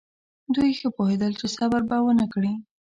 دوی ښه پوهېدل چې صبر به ونه کړي.